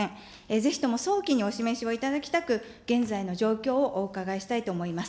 ぜひとも早期に示していただき、現在の状況をお伺いしたいと思います。